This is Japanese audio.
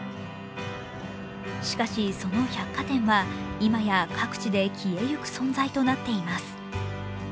しかし、その百貨店は今や各地で消えゆく存在となっています。